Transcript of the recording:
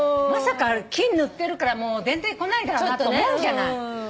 まさか金塗ってるからもう出てこないだろうなと思うじゃない。